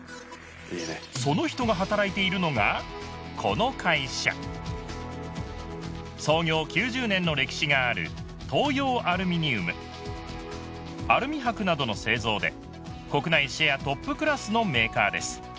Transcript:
その人が働いているのがこの会社創業９０年の歴史がある「東洋アルミニウム」アルミ箔などの製造で国内シェアトップクラスのメーカーです